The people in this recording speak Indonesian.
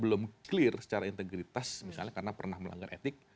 belum clear secara integritas misalnya karena pernah melanggar etik